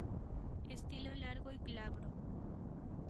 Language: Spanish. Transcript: Estilo largo y glabro.